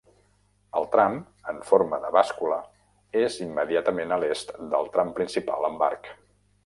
El tram en forma de bàscula és immediatament a l'est del tram principal amb arc.